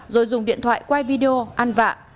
rồi dùng điện thoại quay video ăn vạ